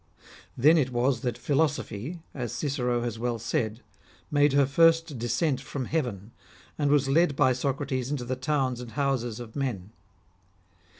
" Then it was that Philosophy, as Cicero has well said, made her first descent from heaven, and was led by Socrates into the towns and houses of men.